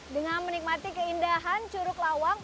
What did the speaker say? dengan menikmati keindahan curug lawang